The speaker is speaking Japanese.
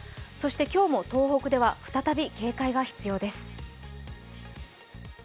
今日も東北では再び警戒が必要です。